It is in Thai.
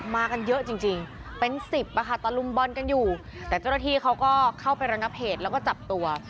มากันเยอะจริงจริงเป็นสิบอ่ะค่ะตะลุมบอลกันอยู่แต่เจ้าหน้าที่เขาก็เข้าไประงับเหตุแล้วก็จับตัว